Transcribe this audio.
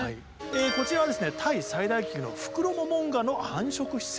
こちらはですねタイ最大級のフクロモモンガの繁殖施設。